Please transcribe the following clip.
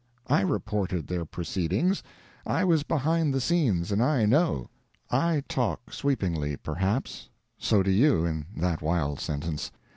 I reported their proceedings—I was behind the scenes, and I know. I talk sweepingly, perhaps—so do you, in that wild sentence.